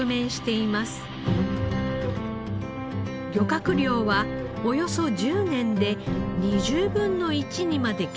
漁獲量はおよそ１０年で２０分の１にまで減少。